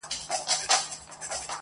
د رستمانو په نکلونو به ملنډي وهي،